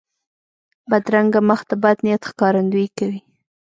بدرنګه مخ د بد نیت ښکارندویي کوي